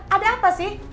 ada apa sih